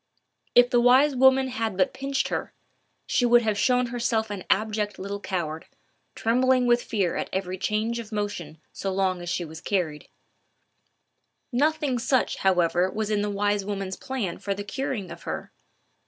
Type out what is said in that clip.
If the wise woman had but pinched her, she would have shown herself an abject little coward, trembling with fear at every change of motion so long as she carried her. Nothing such, however, was in the wise woman's plan for the curing of her.